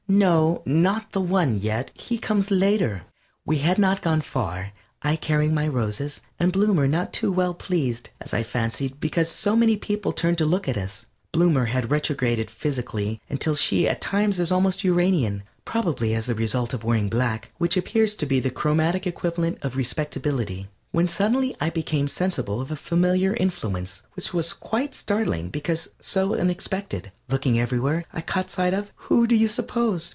No, not the One yet. He comes later. We had not gone far, I carrying my roses, and Bloomer not too well pleased, as I fancied, because so many people turned to look at us (Bloomer has retrograded physically until she is at times almost Uranian, probably as the result of wearing black, which appears to be the chromatic equivalent of respectability), when suddenly I became sensible of a familiar influence, which was quite startling because so unexpected. Looking everywhere, I caught sight of who do you suppose?